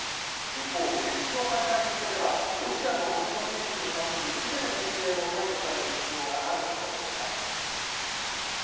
一方、輸出の再開に向けては、ロシアの穀物輸出に関するすべての規制も解除される必要があると述べました。